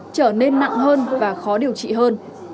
trở nên nặng hơn và khó điều trị hơn